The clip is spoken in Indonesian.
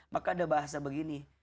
maka ada bahasa begini